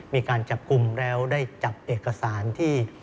มีการจับกลุ่มแล้วได้จับเอกสารที่